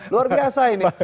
luar biasa ini